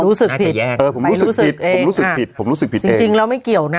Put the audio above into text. รู้สึกผิดเองเออผมรู้สึกผิดเองผมรู้สึกผิดผมรู้สึกผิดจริงจริงแล้วไม่เกี่ยวนะ